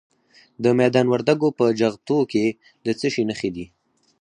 د میدان وردګو په جغتو کې د څه شي نښې دي؟